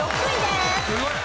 すごい！